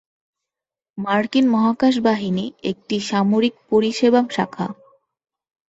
মার্কিন মহাকাশ বাহিনী একটি সামরিক পরিষেবা শাখা।